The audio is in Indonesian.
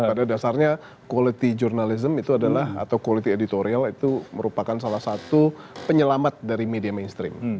pada dasarnya quality journalism itu adalah atau quality editorial itu merupakan salah satu penyelamat dari media mainstream